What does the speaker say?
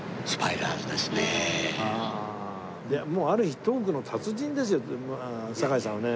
もうある種トークの達人ですよ堺さんはね。